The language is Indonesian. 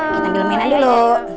kita ambil mainan dulu